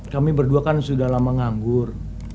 kami berdua kan sudah lama nganggur